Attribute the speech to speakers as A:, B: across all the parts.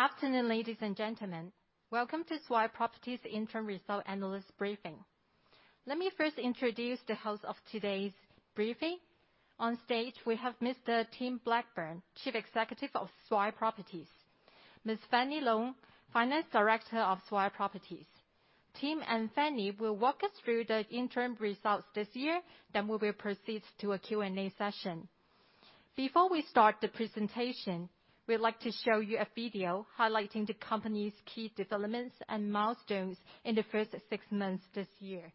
A: Good afternoon, ladies and gentlemen. Welcome to Swire Properties Interim Results Analyst Briefing. Let me first introduce the host of today's briefing. Onstage, we have Mr. Tim Blackburn, Chief Executive of Swire Properties. Ms. Fanny Lung, Finance Director of Swire Properties. Tim and Fannie will walk us through the interim results this year, then we will proceed to a Q&A session. Before we start the presentation, we'd like to show you a video highlighting the company's key developments and milestones in the first six months this year.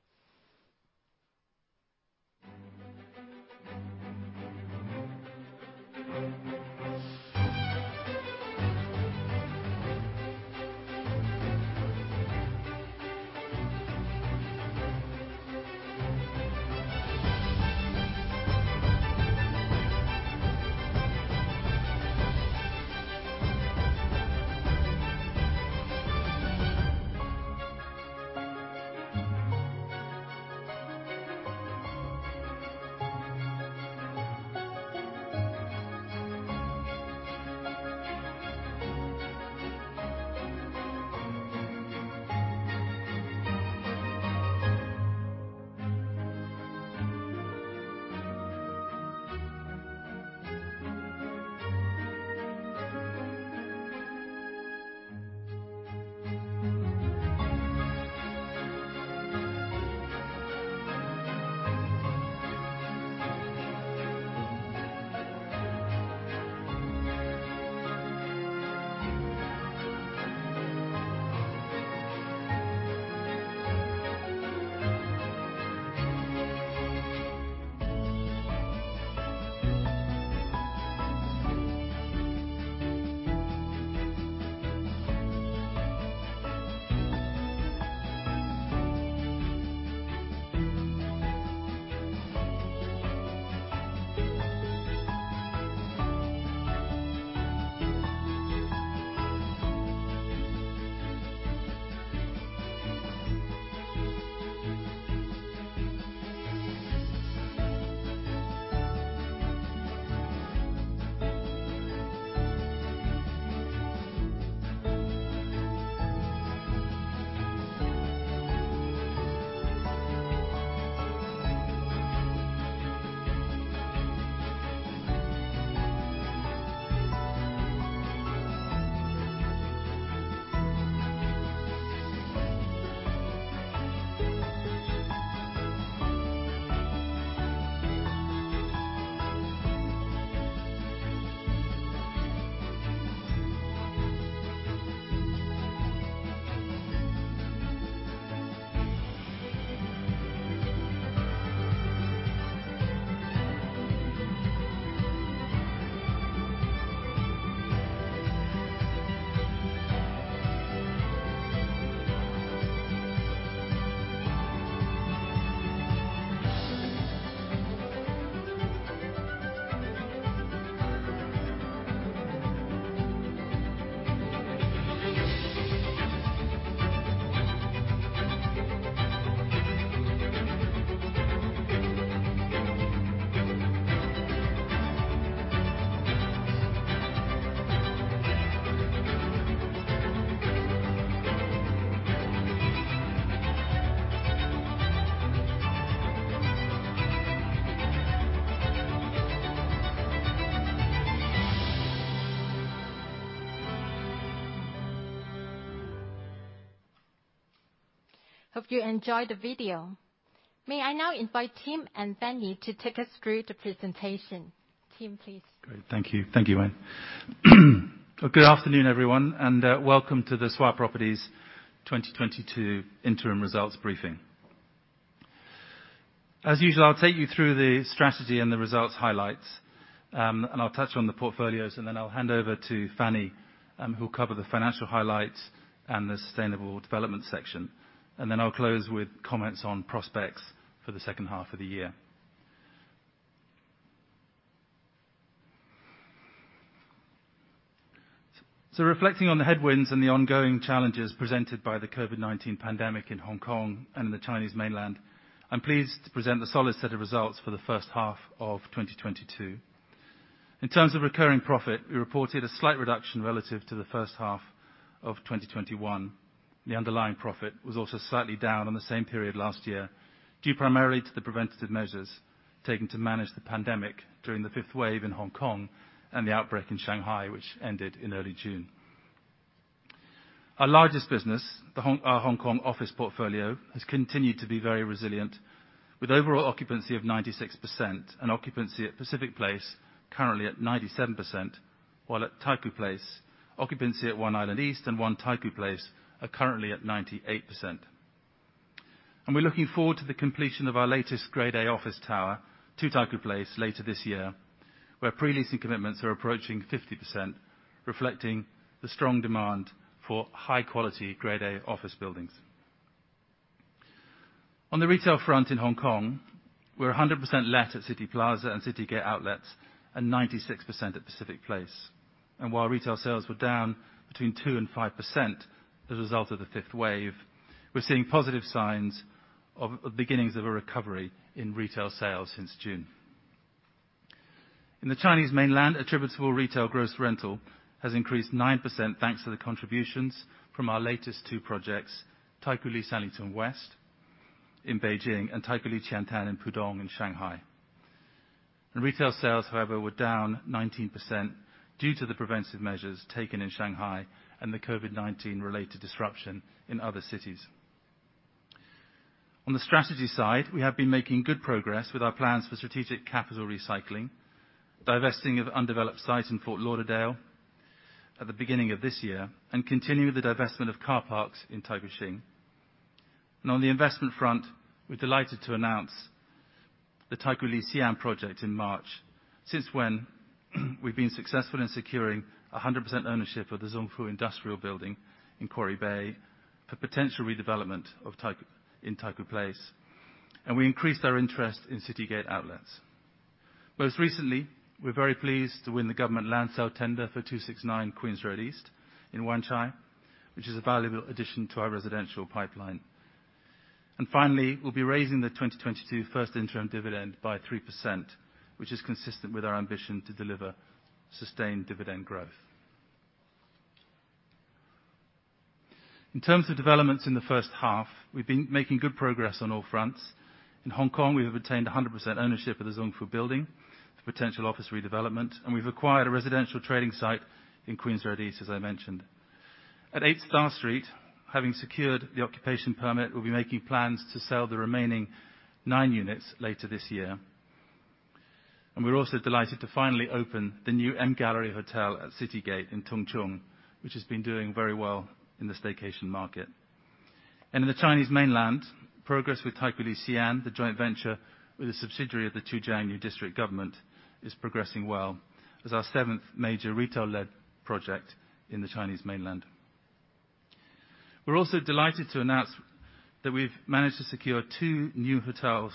A: Hope you enjoyed the video. May I now invite Tim and Fannie to take us through the presentation. Tim, please.
B: Great. Thank you. Thank you, Wayne. Good afternoon, everyone, and welcome to the Swire Properties 2022 interim results briefing. As usual, I'll take you through the strategy and the results highlights, and I'll touch on the portfolios, and then I'll hand over to Fanny, who'll cover the financial highlights and the sustainable development section. I'll close with comments on prospects for the second half of the year. So reflecting on the headwinds and the ongoing challenges presented by the COVID-19 pandemic in Hong Kong and the Chinese mainland, I'm pleased to present the solid set of results for the first half of 2022. In terms of recurring profit, we reported a slight reduction relative to the first half of 2021. The underlying profit was also slightly down on the same period last year, due primarily to the preventative measures taken to manage the pandemic during the fifth wave in Hong Kong and the outbreak in Shanghai, which ended in early June. Our largest business, our Hong Kong office portfolio, has continued to be very resilient with overall occupancy of 96% and occupancy at Pacific Place currently at 97%. While at Taikoo Place, occupancy at One Island East and One Taikoo Place are currently at 98%. We're looking forward to the completion of our latest grade A office tower, Two Taikoo Place, later this year, where pre-leasing commitments are approaching 50%, reflecting the strong demand for high quality grade A office buildings. On the retail front in Hong Kong, we're 100% let at Cityplaza and Citygate Outlets and 96% at Pacific Place. While retail sales were down between 2% and 5% as a result of the fifth wave, we're seeing positive signs of beginnings of a recovery in retail sales since June. In the Chinese Mainland, attributable retail gross rental has increased 9% thanks to the contributions from our latest two projects, Taikoo Li Sanlitun West in Beijing and Taikoo Li Qiantan in Pudong in Shanghai. In retail sales, however, were down 19% due to the preventive measures taken in Shanghai and the COVID-19 related disruption in other cities. On the strategy side, we have been making good progress with our plans for strategic capital recycling, divesting of undeveloped site in Fort Lauderdale at the beginning of this year, and continue the divestment of car parks in Taikoo Shing. On the investment front, we're delighted to announce the Taikoo Li Xi'an project in March, since when we've been successful in securing 100% ownership of the Zung Fu Industrial Building in Quarry Bay for potential redevelopment in Taikoo Place, and we increased our interest in Citygate Outlets. Most recently, we're very pleased to win the government land sale tender for 269 Queen's Road East in Wan Chai, which is a valuable addition to our residential pipeline. Finally, we'll be raising the 2022 first interim dividend by 3%, which is consistent with our ambition to deliver sustained dividend growth. In terms of developments in the first half, we've been making good progress on all fronts. In Hong Kong, we have attained 100% ownership of the Zung Fu Industrial Building, the potential office redevelopment, and we've acquired a residential trading site in Queen's Road East, as I mentioned. At Eight Star Street, having secured the occupation permit, we'll be making plans to sell the remaining nine units later this year. We're also delighted to finally open the new Silveri Hong Kong-MGallery at Citygate in Tung Chung, which has been doing very well in the staycation market. In the Chinese Mainland, progress with Taikoo Li Xi'an, the joint venture with a subsidiary of the Qujiang District government, is progressing well as our seventh major retail-led project in the Chinese Mainland. We're also delighted to announce that we've managed to secure two new hotels,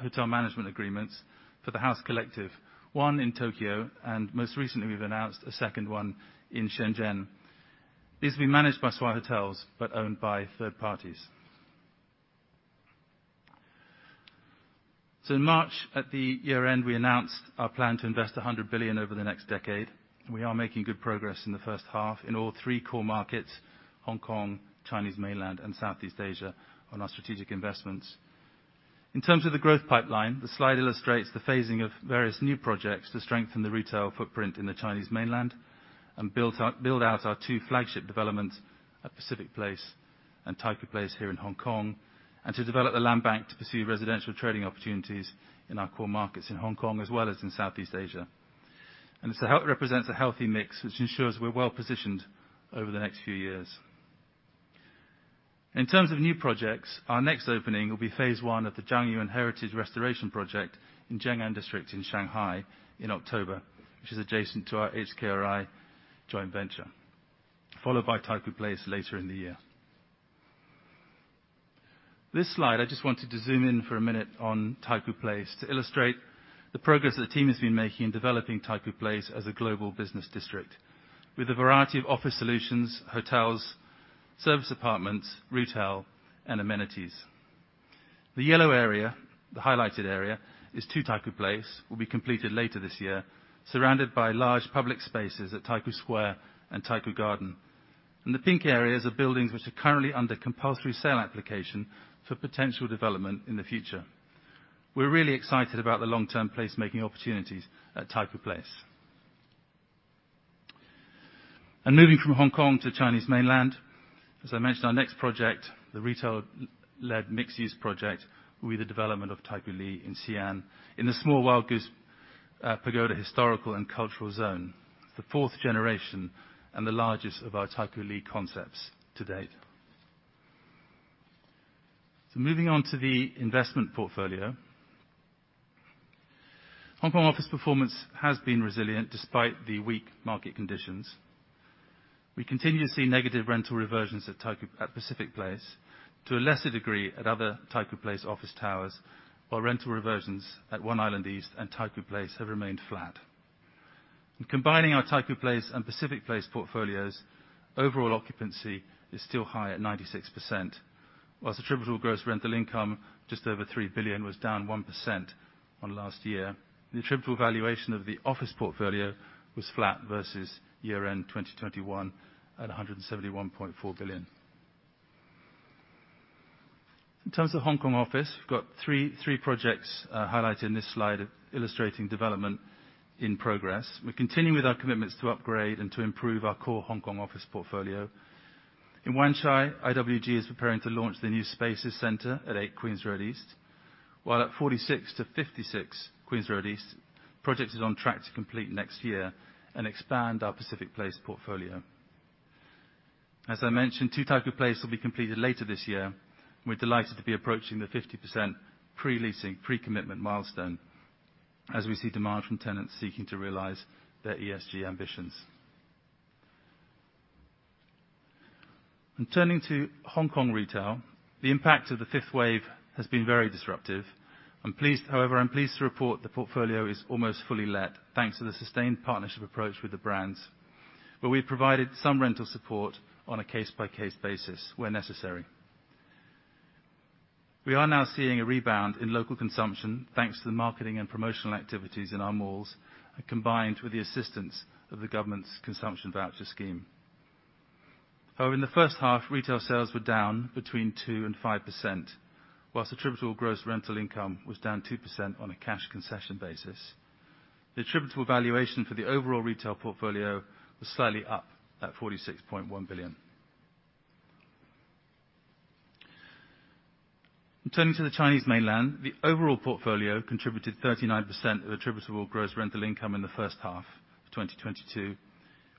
B: hotel management agreements for The House Collective, one in Tokyo, and most recently, we've announced a second one in Shenzhen. These will be managed by Swire Hotels, but owned by third parties. In March, at the year-end, we announced our plan to invest 100 billion over the next decade, and we are making good progress in the first half in all three core markets, Hong Kong, mainland China, and Southeast Asia on our strategic investments. In terms of the growth pipeline, the slide illustrates the phasing of various new projects to strengthen the retail footprint in the Chinese Mainland and build out our two flagship developments at Pacific Place and Taikoo Place here in Hong Kong, and to develop the Land Bank to pursue residential trading opportunities in our core markets in Hong Kong as well as in Southeast Asia. This represents a healthy mix which ensures we're well-positioned over the next few years. In terms of new projects, our next opening will be phase I of the ZHANGYUAN Heritage Restoration Project in Jing'an District in Shanghai in October, which is adjacent to our HKRI Joint Venture, followed by Taikoo Place later in the year. This slide, I just wanted to zoom in for a minute on Taikoo Place to illustrate the progress that the team has been making in developing Taikoo Place as a global business district with a variety of office solutions, hotels, service apartments, retail, and amenities. The yellow area, the highlighted area, is Two Taikoo Place, will be completed later this year, surrounded by large public spaces at Taikoo Square and Taikoo Garden. The pink areas are buildings which are currently under compulsory sale application for potential development in the future. We're really excited about the long-term placemaking opportunities at Taikoo Place. Moving from Hong Kong to Chinese Mainland, as I mentioned, our next project, the retail-led mixed-use project, will be the development of Taikoo Li in Xi'an in the Small Wild Goose Pagoda Historical and Cultural Zone, the fourth generation and the largest of our Taikoo Li concepts to date. Moving on to the investment portfolio. Hong Kong office performance has been resilient despite the weak market conditions. We continue to see negative rental reversions at Pacific Place to a lesser degree at other Taikoo Place office towers, while rental reversions at One Island East and Taikoo Place have remained flat. In combining our Taikoo Place and Pacific Place portfolios, overall occupancy is still high at 96%, whilst attributable gross rental income, just over 3 billion, was down 1% on last year. The attributable valuation of the office portfolio was flat versus year-end 2021 at HKD 171.4 billion. In terms of Hong Kong office, we've got three projects highlighted in this slide illustrating development in progress. We continue with our commitments to upgrade and to improve our core Hong Kong office portfolio. In Wan Chai, IWG is preparing to launch the new Spaces Center at 8 Queen's Road East, while at 46-56 Queen's Road East, project is on track to complete next year and expand our Pacific Place portfolio. As I mentioned, two Taikoo Place will be completed later this year. We're delighted to be approaching the 50% pre-leasing, pre-commitment milestone as we see demand from tenants seeking to realize their ESG ambitions. Turning to Hong Kong retail, the impact of the fifth wave has been very disruptive. I'm pleased to report the portfolio is almost fully let thanks to the sustained partnership approach with the brands, where we provided some rental support on a case-by-case basis where necessary. We are now seeing a rebound in local consumption, thanks to the marketing and promotional activities in our malls, combined with the assistance of the government's consumption voucher scheme. Though in the first half, retail sales were down between 2% and 5%, while attributable gross rental income was down 2% on a cash concession basis. The attributable valuation for the overall retail portfolio was slightly up at 46.1 billion. Turning to the Chinese Mainland, the overall portfolio contributed 39% of attributable gross rental income in the first half of 2022,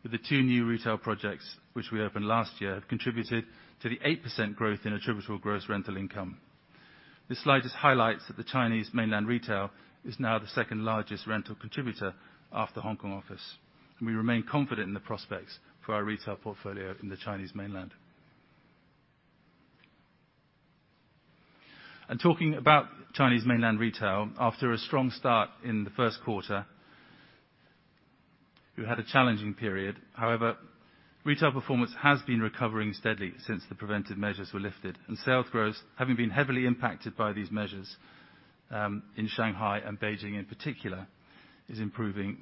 B: with the two new retail projects which we opened last year contributed to the 8% growth in attributable gross rental income. This slide just highlights that the Chinese Mainland retail is now the second-largest rental contributor after Hong Kong office, and we remain confident in the prospects for our retail portfolio in the Chinese Mainland. Talking about Chinese Mainland retail, after a strong start in the first quarter, we had a challenging period. However, retail performance has been recovering steadily since the preventive measures were lifted, and sales growth, having been heavily impacted by these measures, in Shanghai and Beijing in particular, is improving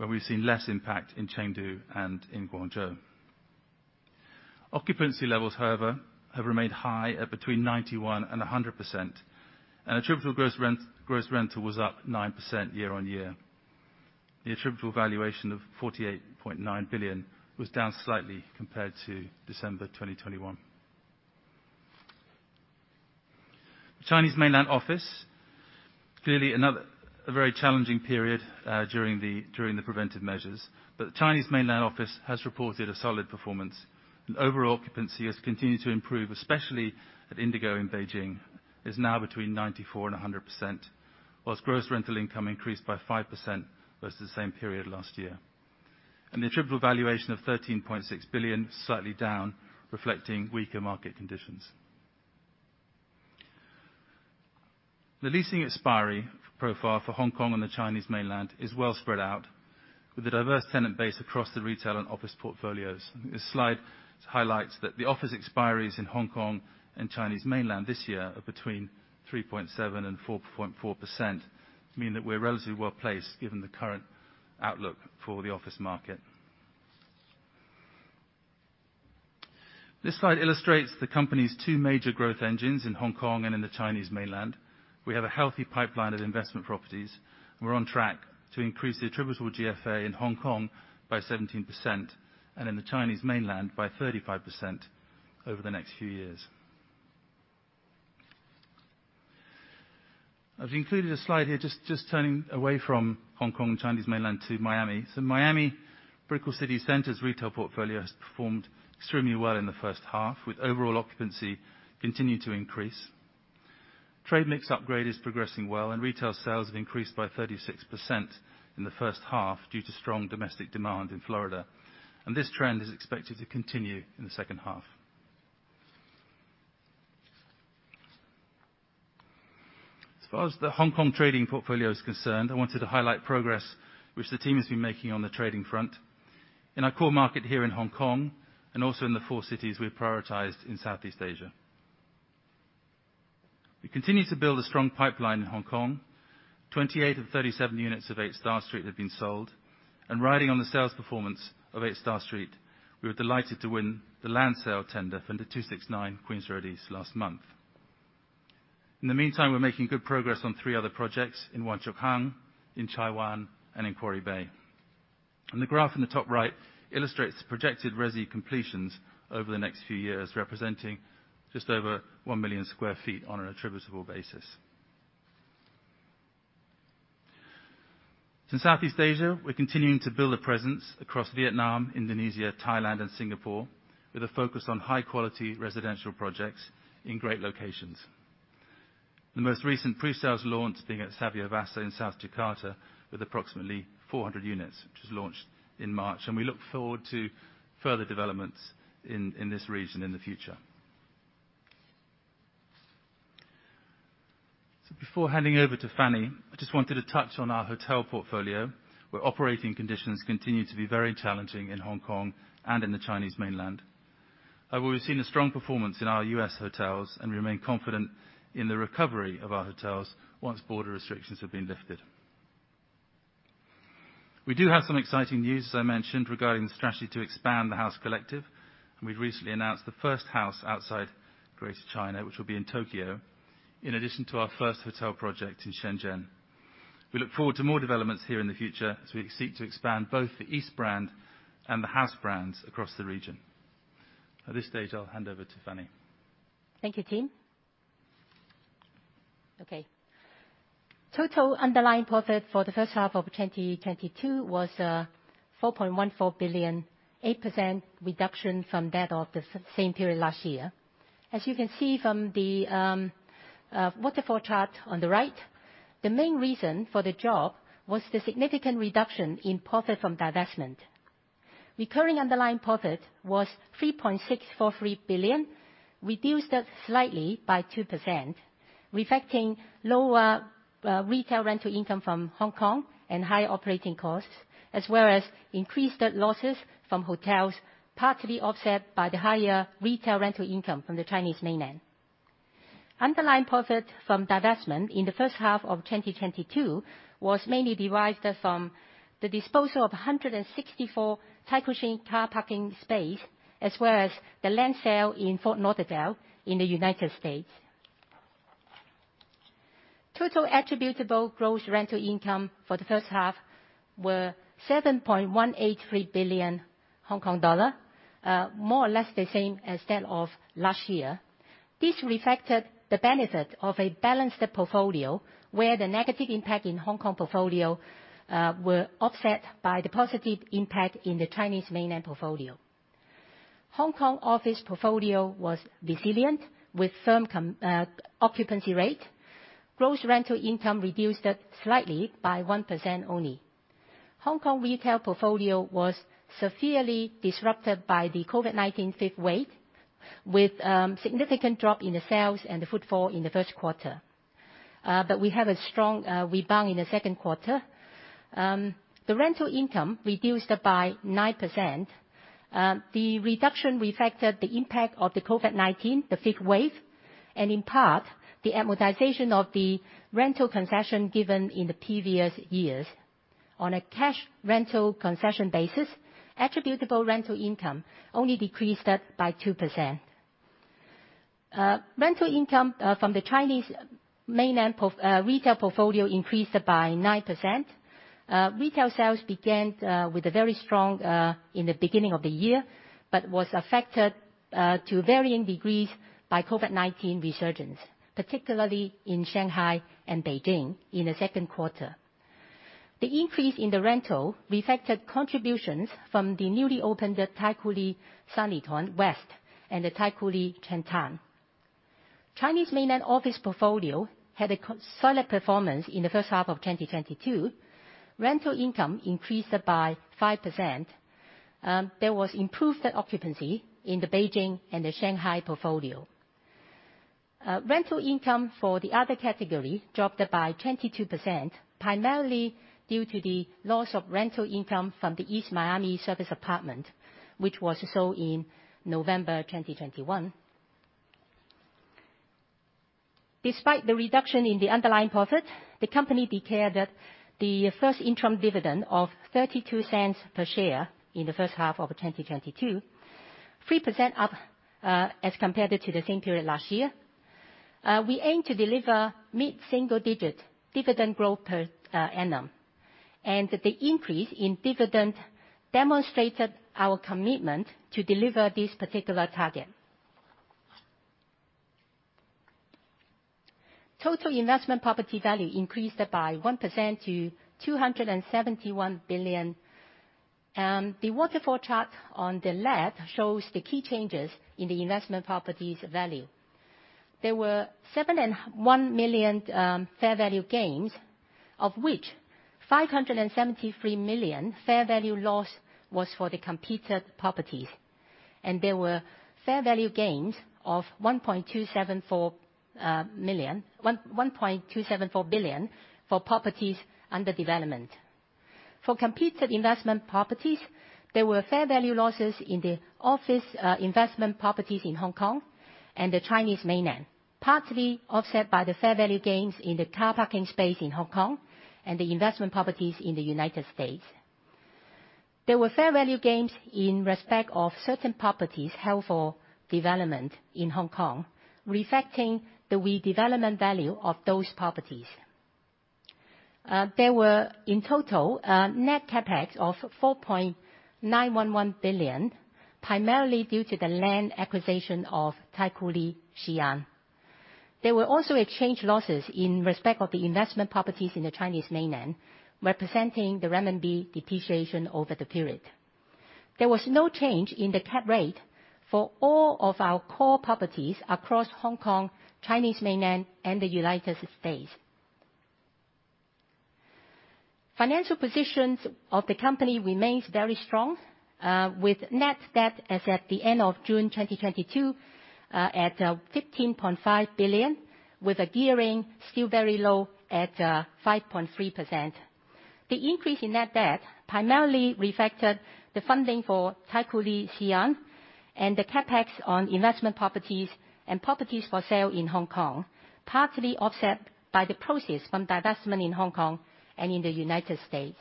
B: where we've seen less impact in Chengdu and in Guangzhou. Occupancy levels, however, have remained high at between 91% and 100%, and attributable gross rental was up 9% year-on-year. The attributable valuation of 48.9 billion was down slightly compared to December 2021. The Chinese mainland office, clearly another very challenging period during the preventive measures. But the Chinese mainland office has reported a solid performance and overall occupancy has continued to improve, especially at INDIGO in Beijing, is now between 94% and 100%, while gross rental income increased by 5% versus the same period last year. The attributable valuation of 13.6 billion, slightly down reflecting weaker market conditions. The leasing expiry profile for Hong Kong and the Chinese mainland is well spread out with a diverse tenant base across the retail and office portfolios. This slide highlights that the office expiries in Hong Kong and mainland China this year are between 3.7% and 4.4%, means we're relatively well-placed given the current outlook for the office market. This slide illustrates the company's two major growth engines in Hong Kong and in mainland China. We have a healthy pipeline of investment properties. We're on track to increase the attributable GFA in Hong Kong by 17%, and in mainland China by 35% over the next few years. I've included a slide here just turning away from Hong Kong and mainland China to Miami. Miami Brickell City Centre's retail portfolio has performed extremely well in the first half, with overall occupancy continuing to increase. Trade mix upgrade is progressing well and retail sales have increased by 36% in the first half due to strong domestic demand in Florida, and this trend is expected to continue in the second half. As far as the Hong Kong trading portfolio is concerned, I wanted to highlight progress which the team has been making on the trading front in our core market here in Hong Kong and also in the four cities we've prioritized in Southeast Asia. We continue to build a strong pipeline in Hong Kong. 28 of 37 units of Eight Star Street have been sold, and riding on the sales performance of Eight Star Street, we were delighted to win the land sale tender for the 269 Queen's Road East last month. In the meantime, we're making good progress on three other projects in Wan Chai, in Chai Wan, and in Quarry Bay. The graph in the top right illustrates the projected resi completions over the next few years, representing just over 1 million sq ft on an attributable basis. In Southeast Asia, we're continuing to build a presence across Vietnam, Indonesia, Thailand, and Singapore with a focus on high-quality residential projects in great locations. The most recent pre-sales launch being at Savyavasa in South Jakarta with approximately 400 units, which was launched in March. We look forward to further developments in this region in the future. Before handing over to Fanny, I just wanted to touch on our hotel portfolio, where operating conditions continue to be very challenging in Hong Kong and in the Chinese Mainland. However, we've seen a strong performance in our U.S. hotels and remain confident in the recovery of our hotels once border restrictions have been lifted. We do have some exciting news, as I mentioned, regarding the strategy to expand the House Collective, and we've recently announced the first house outside Greater China, which will be in Tokyo, in addition to our first hotel project in Shenzhen. We look forward to more developments here in the future as we seek to expand both the EAST brand and the House brands across the region. At this stage, I'll hand over to Fanny.
C: Thank you, Tim. Okay. Total underlying profit for the first half of 2022 was 4.14 billion, 8% reduction from that of the same period last year. As you can see from the waterfall chart on the right, the main reason for the drop was the significant reduction in profit from divestment. Recurring underlying profit was 3.643 billion, reduced slightly by 2%. Reflecting lower retail rental income from Hong Kong and high operating costs, as well as increased losses from hotels, partly offset by the higher retail rental income from the Chinese mainland. Underlying profit from divestment in the first half of 2022 was mainly derived from the disposal of 164 Taikoo Shing car parking spaces, as well as the land sale in Fort Lauderdale in the United States. Total attributable gross rental income for the first half were 7.183 billion Hong Kong dollar. More or less the same as that of last year. This reflected the benefit of a balanced portfolio where the negative impact in Hong Kong portfolio were offset by the positive impact in the Chinese mainland portfolio. Hong Kong office portfolio was resilient with committed occupancy rate. Gross rental income reduced slightly by 1% only. Hong Kong retail portfolio was severely disrupted by the COVID-19 fifth wave, with significant drop in the sales and the footfall in the first quarter. We have a strong rebound in the second quarter. The rental income reduced by 9%. The reduction reflected the impact of the COVID-19, the fifth wave, and in part, the amortization of the rental concession given in the previous years. On a cash rental concession basis, attributable rental income only decreased by 2%. Rental income from the Chinese mainland retail portfolio increased by 9%. Retail sales began with a very strong start in the beginning of the year, but was affected to varying degrees by COVID-19 resurgence, particularly in Shanghai and Beijing in the second quarter. The increase in the rental reflected contributions from the newly opened Taikoo Li Sanlitun West and the Taikoo Li Qiantan. Chinese mainland office portfolio had a solid performance in the first half of 2022. Rental income increased by 5%. There was improved occupancy in the Beijing and the Shanghai portfolio. Rental income for the other category dropped by 22%, primarily due to the loss of rental income from the EAST Miami serviced apartment, which was sold in November 2021. Despite the reduction in the underlying profit, the company declared that the first interim dividend of 0.32 per share in the first half of 2022, 3% up, as compared to the same period last year. We aim to deliver mid-single digit dividend growth per annum. The increase in dividend demonstrated our commitment to deliver this particular target. Total investment property value increased by 1% to 271 billion. The waterfall chart on the left shows the key changes in the investment properties value. There were 701 million fair value gains, of which 573 million fair value loss was for the completed properties. There were fair value gains of 1.274 billion for properties under development. For completed investment properties, there were fair value losses in the office investment properties in Hong Kong and the Chinese mainland, partly offset by the fair value gains in the car parking space in Hong Kong and the investment properties in the United States. There were fair value gains in respect of certain properties held for development in Hong Kong, reflecting the redevelopment value of those properties. There were, in total, net CapEx of 4.911 billion, primarily due to the land acquisition of Taikoo Li Xi'an. There were also exchange losses in respect of the investment properties in the Chinese mainland, representing the renminbi depreciation over the period. There was no change in the cap rate for all of our core properties across Hong Kong, Chinese mainland, and the United States. Financial positions of the company remains very strong, with net debt as at the end of June 2022, at 15.5 billion, with the gearing still very low at 5.3%. The increase in net debt primarily reflected the funding for Taikoo Li Xi'an and the CapEx on investment properties and properties for sale in Hong Kong, partly offset by the proceeds from divestment in Hong Kong and in the United States.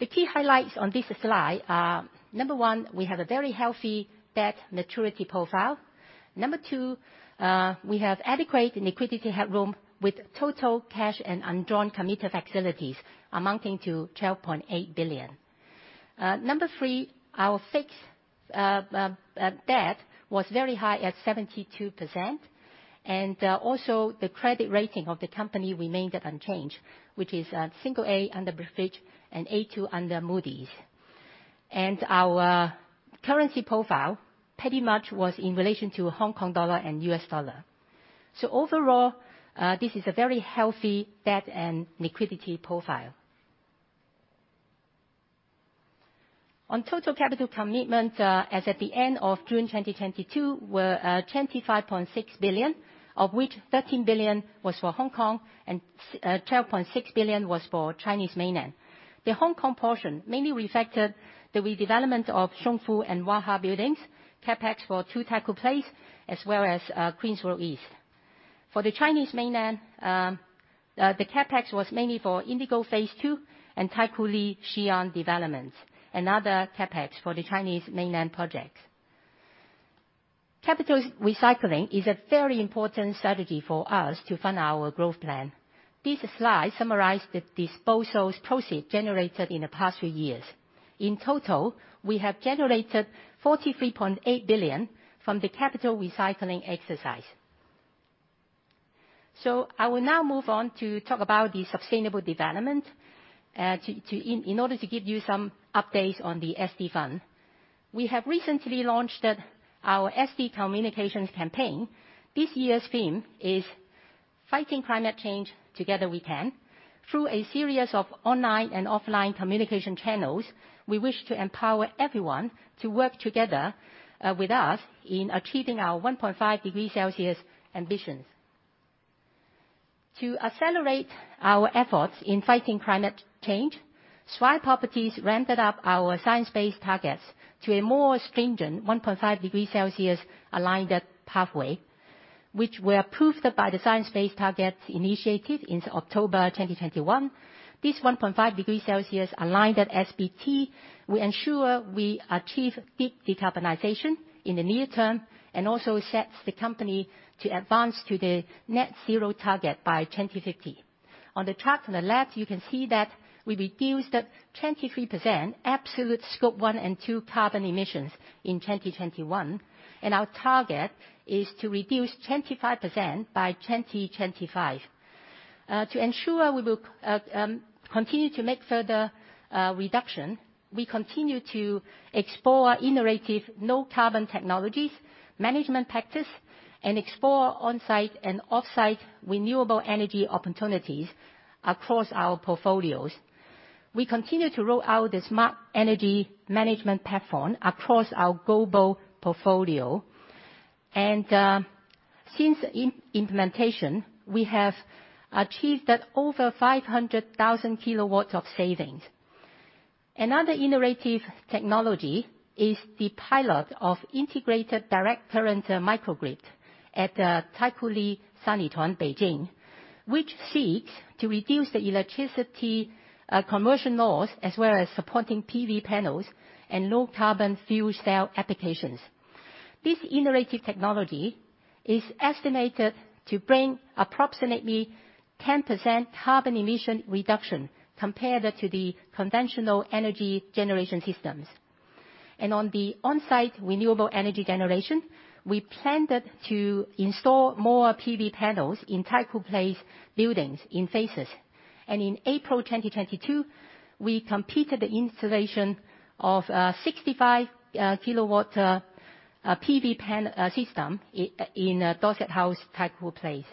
C: The key highlights on this slide are, number one, we have a very healthy debt maturity profile. Number two, we have adequate liquidity headroom with total cash and undrawn committed facilities amounting to 12.8 billion. Number three, our fixed debt was very high at 72%. Also, the credit rating of the company remained unchanged, which is single A under Fitch and A2 under Moody's. Our currency profile pretty much was in relation to Hong Kong dollar and US dollar. Overall, this is a very healthy debt and liquidity profile. On total capital commitment, as at the end of June 2022, we're at 25.6 billion, of which 13 billion was for Hong Kong and 12.6 billion was for Chinese Mainland. The Hong Kong portion mainly reflected the redevelopment of Zung Fu and Wah Ha buildings, CapEx for two Taikoo Place, as well as Queen's Road East. For the Chinese Mainland, the CapEx was mainly for INDIGO Phase II and Taikoo Li Qiantan developments, and other CapEx for the Chinese Mainland projects. Capital recycling is a very important strategy for us to fund our growth plan. This slide summarizes the disposal proceeds generated in the past few years. In total, we have generated 43.8 billion from the capital recycling exercise. I will now move on to talk about the sustainable development in order to give you some updates on the SD fund. We have recently launched our SD communications campaign. This year's theme is Fighting Climate Change, Together We Can. Through a series of online and offline communication channels, we wish to empower everyone to work together with us in achieving our 1.5 degree Celsius ambitions. To accelerate our efforts in fighting climate change, Swire Properties ramped up our science-based targets to a more stringent 1.5-degree Celsius-aligned pathway, which were approved by the Science Based Targets initiative in October 2021. This 1.5-degree Celsius-aligned SBT will ensure we achieve deep decarbonization in the near term, and also sets the company to advance to the net zero target by 2050. On the chart on the left, you can see that we reduced 23% absolute scope one and two carbon emissions in 2021, and our target is to reduce 25% by 2025. To ensure we will continue to make further reduction, we continue to explore innovative low carbon technologies, management practice, and explore on-site and off-site renewable energy opportunities across our portfolios. We continue to roll out the smart energy management platform across our global portfolio. Since implementation, we have achieved over 500,000 kilowatts of savings. Another innovative technology is the pilot of integrated direct current microgrid at Taikoo Li Sanlitun, Beijing, which seeks to reduce the electricity conversion loss, as well as supporting PV panels and low-carbon fuel cell applications. This innovative technology is estimated to bring approximately 10% carbon emission reduction compared to the conventional energy generation systems. On-site renewable energy generation, we planned to install more PV panels in Taikoo Place buildings in phases. In April 2022, we completed the installation of 65-kilowatt PV system in Dorset House, Taikoo Place.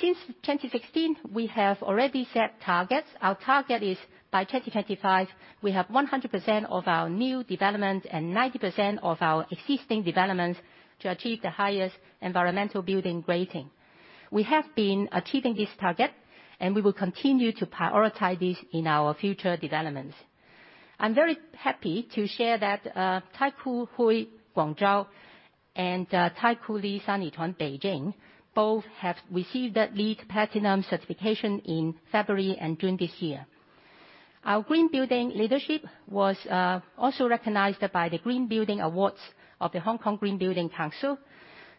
C: Since 2016, we have already set targets. Our target is by 2025, we have 100% of our new development and 90% of our existing developments to achieve the highest environmental building rating. We have been achieving this target, and we will continue to prioritize this in our future developments. I'm very happy to share that Taikoo Hui, Guangzhou and Taikoo Li Sanlitun, Beijing both have received the LEED Platinum certification in February and June this year. Our green building leadership was also recognized by the Green Building Awards of the Hong Kong Green Building Council.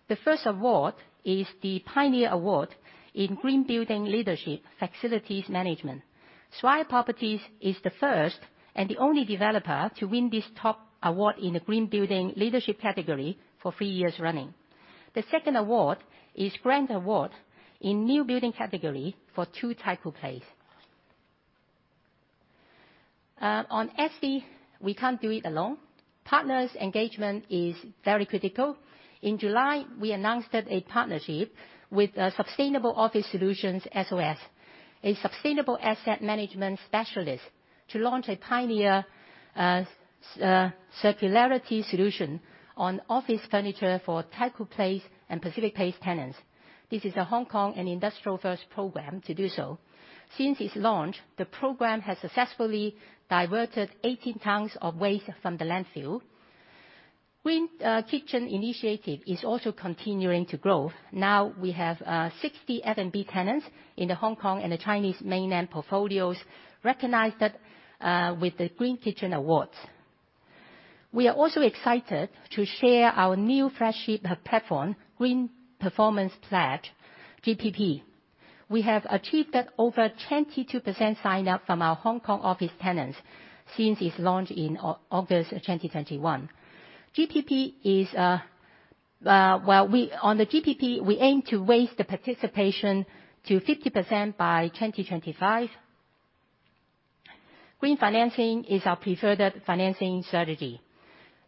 C: The first award is the Pioneer Award in Green Building Leadership Facilities Management. Swire Properties is the first and the only developer to win this top award in the Green Building Leadership category for three years running. The second award is Grand Award in New Building category for Two Taikoo Place. On SD, we can't do it alone. Partners' engagement is very critical. In July, we announced a partnership with Sustainable Office Solutions, SOS, a sustainable asset management specialist, to launch a pioneering circularity solution on office furniture for Taikoo Place and Pacific Place tenants. This is a Hong Kong and international first program to do so. Since its launch, the program has successfully diverted 18 tons of waste from the landfill. Green Kitchen Initiative is also continuing to grow. Now we have 60 F&B tenants in the Hong Kong and the Chinese Mainland portfolios recognized with the Green Kitchen awards. We are also excited to share our new flagship platform, Green Performance Pledge, GPP. We have achieved that over 22% sign-up from our Hong Kong office tenants since its launch in August 2021. GPP is well, we. On the GPP, we aim to raise the participation to 50% by 2025. Green financing is our preferred financing strategy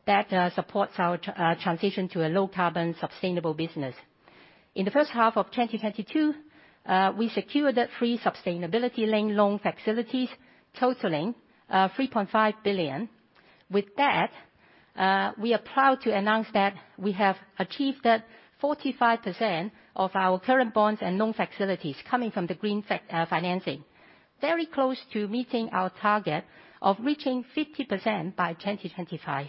C: that supports our transition to a low carbon sustainable business. In the first half of 2022, we secured three sustainability-linked loan facilities totaling 3.5 billion. With that, we are proud to announce that we have achieved 45% of our current bonds and loan facilities coming from the green financing, very close to meeting our target of reaching 50% by 2025.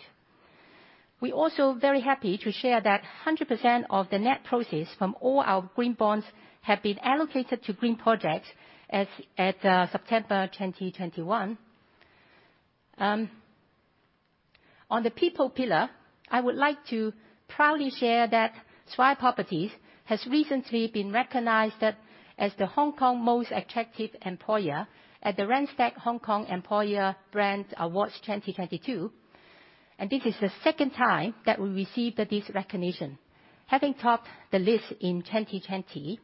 C: We also very happy to share that 100% of the net proceeds from all our green bonds have been allocated to green projects as at September 2021. On the people pillar, I would like to proudly share that Swire Properties has recently been recognized as Hong Kong's most attractive employer at the Randstad Hong Kong Employer Brand Awards 2022, and this is the second time that we received this recognition, having topped the list in 2020.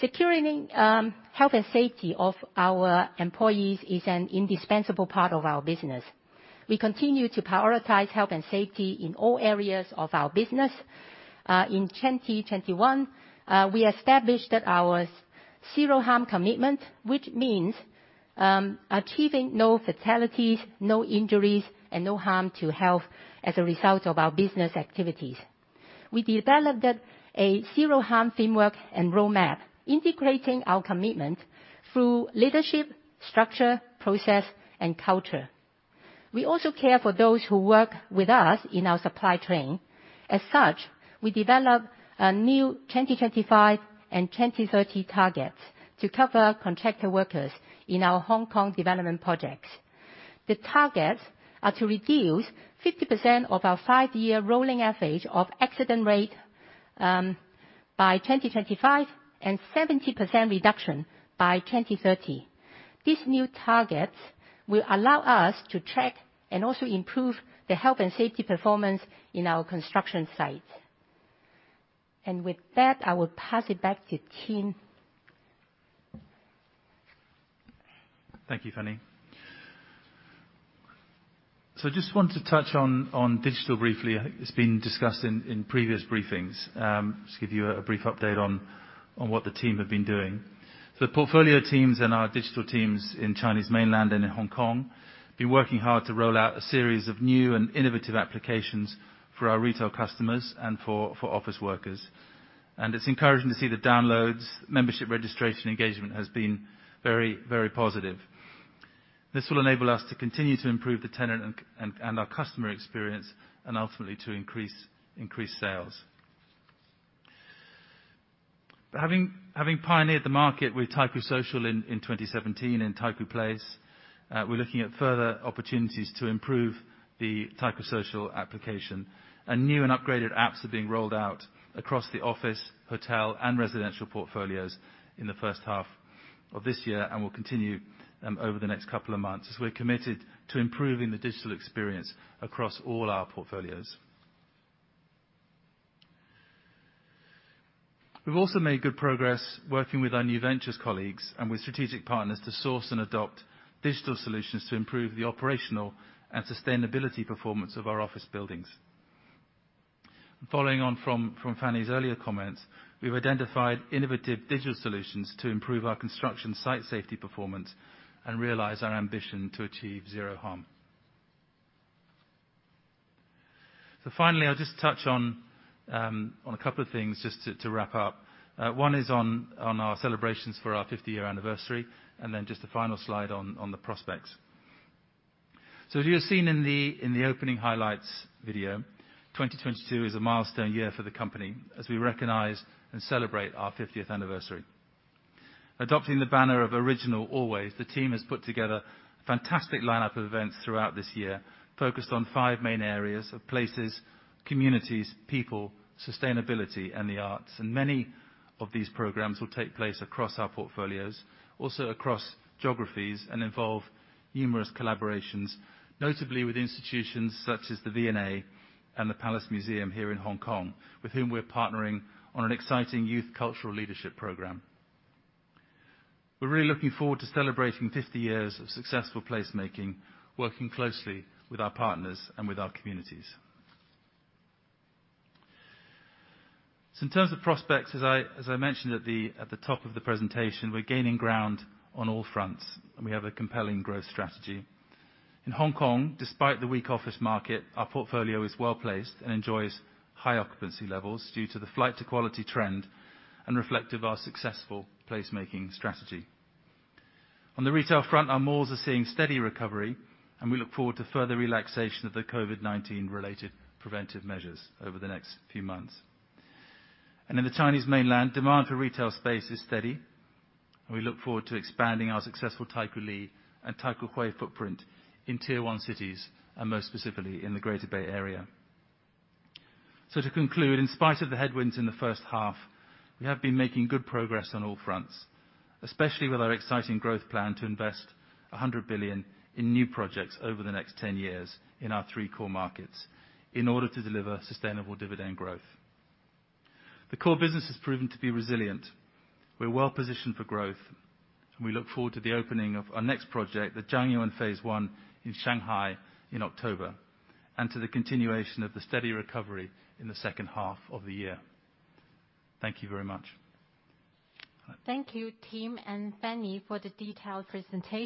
C: Securing health and safety of our employees is an indispensable part of our business. We continue to prioritize health and safety in all areas of our business. In 2021, we established our zero harm commitment, which means achieving no fatalities, no injuries, and no harm to health as a result of our business activities. We developed a zero harm framework and roadmap integrating our commitment through leadership, structure, process, and culture. We also care for those who work with us in our supply chain. As such, we developed a new 2025 and 2030 targets to cover contractor workers in our Hong Kong development projects. The targets are to reduce 50% of our five-year rolling average of accident rate by 2025, and 70% reduction by 2030. These new targets will allow us to track and also improve the health and safety performance in our construction sites. With that, I will pass it back to Tim.
B: Thank you, Fanny. I just want to touch on digital briefly. It's been discussed in previous briefings. Just give you a brief update on what the team have been doing. The portfolio teams and our digital teams in Chinese Mainland and in Hong Kong been working hard to roll out a series of new and innovative applications for our retail customers and for office workers. It's encouraging to see the downloads, membership registration engagement has been very positive. This will enable us to continue to improve the tenant and our customer experience and ultimately to increase sales. Having pioneered the market with Taikoo Social in 2017 in Taikoo Place, we're looking at further opportunities to improve the Taikoo Social application. New and upgraded apps are being rolled out across the office, hotel, and residential portfolios in the first half of this year and will continue over the next couple of months, as we're committed to improving the digital experience across all our portfolios. We've also made good progress working with our new ventures colleagues and with strategic partners to source and adopt digital solutions to improve the operational and sustainability performance of our office buildings. Following on from Fanny Lung's earlier comments, we've identified innovative digital solutions to improve our construction site safety performance and realize our ambition to achieve zero harm. Finally, I'll just touch on a couple of things just to wrap up. One is on our celebrations for our 50th anniversary, and then just a final slide on the prospects. As you have seen in the opening highlights video, 2022 is a milestone year for the company as we recognize and celebrate our 50th anniversary. Adopting the banner of ORIGINAL. ALWAYS., the team has put together a fantastic lineup of events throughout this year focused on five main areas of places, communities, people, sustainability, and the arts. Many of these programs will take place across our portfolios, also across geographies, and involve numerous collaborations, notably with institutions such as the V&A and the Palace Museum here in Hong Kong, with whom we're partnering on an exciting youth cultural leadership program. We're really looking forward to celebrating 50 years of successful placemaking, working closely with our partners and with our communities. In terms of prospects, as I mentioned at the top of the presentation, we're gaining ground on all fronts, and we have a compelling growth strategy. In Hong Kong, despite the weak office market, our portfolio is well-placed and enjoys high occupancy levels due to the flight to quality trend and reflective of our successful placemaking strategy. On the retail front, our malls are seeing steady recovery, and we look forward to further relaxation of the COVID-19 related preventive measures over the next few months. In the Chinese Mainland, demand for retail space is steady, and we look forward to expanding our successful Taikoo Li and Taikoo Hui footprint in Tier One cities, and most specifically in the Greater Bay Area. To conclude, in spite of the headwinds in the first half, we have been making good progress on all fronts, especially with our exciting growth plan to invest 100 billion in new projects over the next 10 years in our three core markets in order to deliver sustainable dividend growth. The core business has proven to be resilient. We're well positioned for growth, and we look forward to the opening of our next project, the Zhangyuan phase I in Shanghai in October, and to the continuation of the steady recovery in the second half of the year. Thank you very much.
A: Thank you, Tim and Fanny, for the detailed presentation.